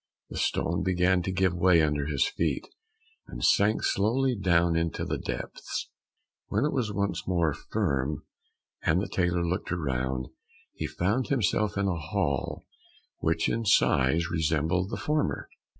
The stone began to give way under his feet, and sank slowly down into the depths. When it was once more firm, and the tailor looked round, he found himself in a hall which in size resembled the former.